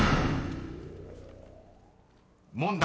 ［問題］